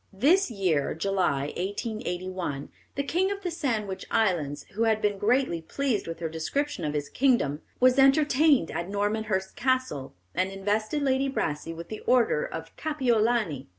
This year, July, 1881, the King of the Sandwich Islands, who had been greatly pleased with her description of his kingdom, was entertained at Normanhurst Castle, and invested Lady Brassey with the Order of Kapiolani.